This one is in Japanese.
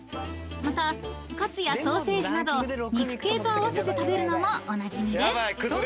［またカツやソーセージなど肉系と合わせて食べるのもおなじみです］